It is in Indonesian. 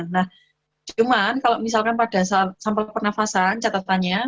nah cuman kalau misalkan pada saat sampel pernafasan catatannya